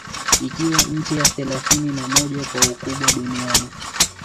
Ikiwa nchi ya thelathini na moja kwa ukubwa Duniani